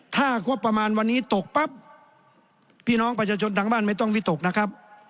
ถ้างบประมาณวันนี้ตกปั๊บพี่น้องประชาชนทางบ้านไม่ต้องวิตกนะครับ